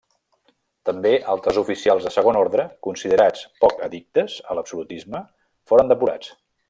També altres oficials de segon ordre considerats poc addictes a l'absolutisme foren depurats.